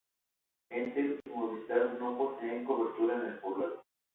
Entel y Movistar no poseen cobertura en el poblado.